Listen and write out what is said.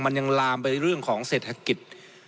มันยังลามไปเรื่องของเศรษฐกิจ